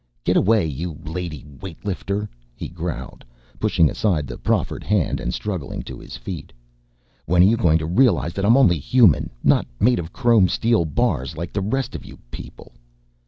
"Get away, you lady weight lifter," he growled, pushing aside the proffered hand and struggling to his feet. "When are you going to realize that I'm only human, not made of chrome steel bars like the rest of your people...."